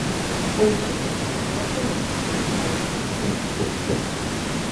Ou sexa, que se dan polos campos, a eito, ventureiras...